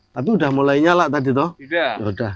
tapi udah mulai nyala tadi tuh